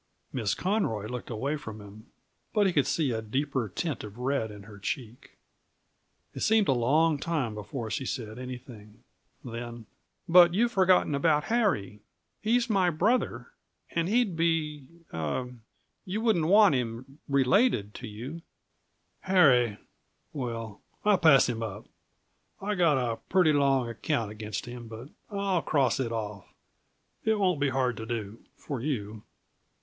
Miss Conroy looked away from him, but he could see a deeper tint of red in her cheek. It seemed a long time before she said anything. Then: "But you've forgotten about Harry. He's my brother, and he'd be er you wouldn't want him related to you." "Harry! Well, I pass him up. I've got a pretty long account against him; but I'll cross it off. It won't be hard to do for you.